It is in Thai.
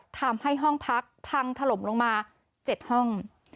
ทำให้ห้องพักพังถล่มลงมา๗ห้อง